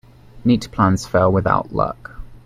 Neat plans fail without luck.